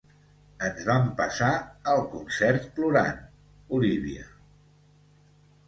Ens vam passar el concert plorant, Olívia.